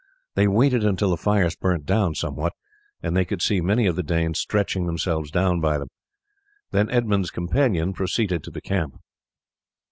They waited until the fires burnt down somewhat and they could see many of the Danes stretching themselves down by them. Then Edmund's companion proceeded to the camp.